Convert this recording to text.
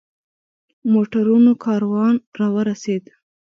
موټرونو کاروان را ورسېد.